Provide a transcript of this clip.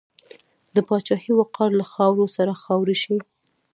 د پاچاهۍ وقار له خاورو سره خاورې شو.